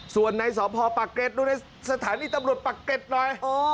ส่วนในสภพปากเกร็ดดูในสถานีตำรวจปากเกร็ดหน่อยโอ้